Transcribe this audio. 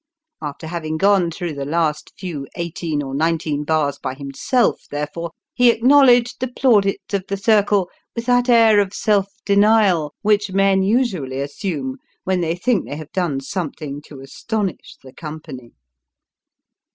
After having gone through the last few eighteen or nineteen bars by himself, therefore, he acknowledged the plaudits of the circle with that air of self denial which men usually assume when they think they have done something to astonish the company.